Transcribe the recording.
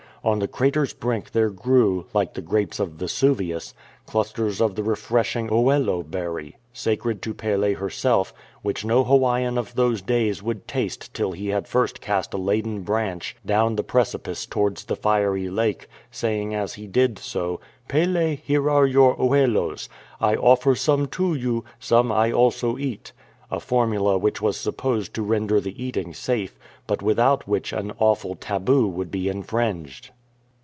On the crater's brink there grew, like the grapes of Vesuvius, clusters of the refreshing ohelo berry, sacred to Pele her self, which no Hawaiian of those days would taste till he had first cast a laden branch down the precipice towards 343 CHALLENGE TO FIRE GODDESS the fiery lake, saying as he did so :" Tele, here are your ohelos. I offer some to you ; some I also eat *"— a formula which was supposed to render the eating safe, but without which an awful tahu would be infringed.